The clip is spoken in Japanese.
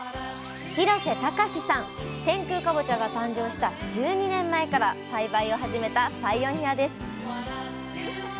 天空かぼちゃが誕生した１２年前から栽培を始めたパイオニアです。